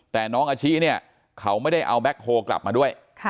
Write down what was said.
แต่น้องอาชิเนี่ยเขาไม่ได้เอาแก๊คโฮลกลับมาด้วย